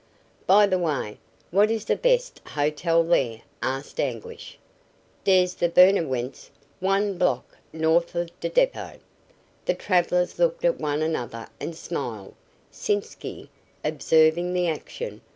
"By the way, what is the best hotel there?" asked Anguish. "Dere's d' Burnowentz, one block north of d' depot." The travelers looked at one another and smiled, Sitzky observing the action.